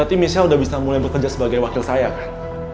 berarti michelle udah bisa mulai bekerja sebagai wakil saya kak